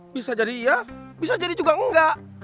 bisa jadi iya bisa jadi juga enggak